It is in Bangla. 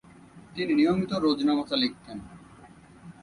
তিনি নিয়মিত রোজনামচা লিখতেন।